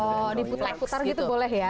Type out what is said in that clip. oh diputar putar gitu boleh ya